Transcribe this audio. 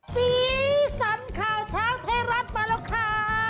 สีสันข่าวเช้าไทยรัฐมาแล้วค่ะ